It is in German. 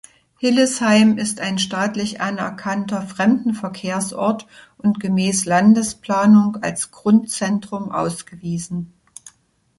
Hillesheim ist ein staatlich anerkannter Fremdenverkehrsort und gemäß Landesplanung als Grundzentrum ausgewiesen.